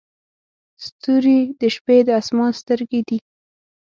ستوري د شپې د اسمان سترګې دي.